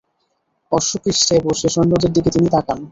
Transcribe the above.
অশ্বপৃষ্ঠে বসে সৈন্যদের দিকে তিনি তাকান।